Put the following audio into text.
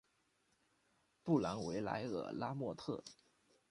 布兰维莱尔拉莫特。